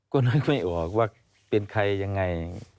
ก็นึกไม่ออกว่าเป็นใครยังไง